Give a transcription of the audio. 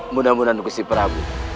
mudah mudahan gusti prabu